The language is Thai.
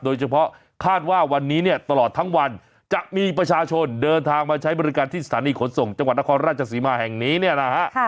คาดว่าวันนี้เนี่ยตลอดทั้งวันจะมีประชาชนเดินทางมาใช้บริการที่สถานีขนส่งจังหวัดนครราชสีมาแห่งนี้เนี่ยนะฮะ